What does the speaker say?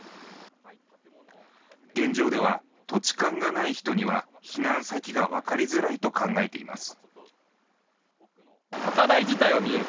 現状では、土地勘がない人には避難先が分かりづらいと考えています。